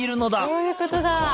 そういうことだ！